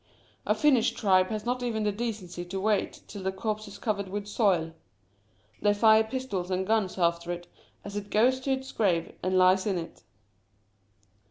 A Finnish tribe has not even the decency to wait till the corpse IS covered with soil ; they fire pistols and guns after it as it goes to its grave, and lies in it.